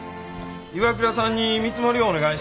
ＩＷＡＫＵＲＡさんに見積もりをお願いしたいんです。